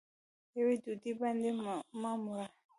یوې ډوډۍ باندې معموره